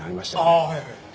ああはいはいはい。